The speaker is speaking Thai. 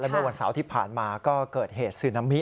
เมื่อวันเสาร์ที่ผ่านมาก็เกิดเหตุซึนามิ